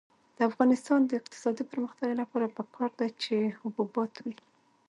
د افغانستان د اقتصادي پرمختګ لپاره پکار ده چې حبوبات وي.